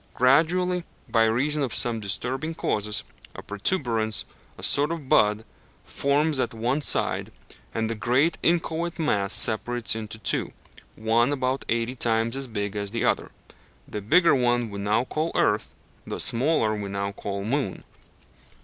Gradually, by reason of some disturbing causes, a protuberance, a sort of bud, forms at one side, and the great inchoate mass separates into two one about eighty times as big as the other. The bigger one we now call earth, the smaller we now call moon.